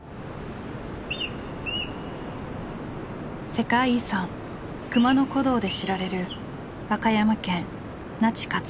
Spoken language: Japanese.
世界遺産熊野古道で知られる和歌山県那智勝浦町。